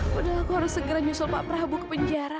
padahal aku harus segera nyusul pak prabowo ke penjara